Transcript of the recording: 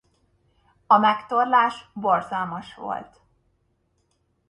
A megtorlás borzalmas volt.